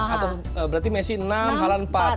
atau berarti messi enam halan empat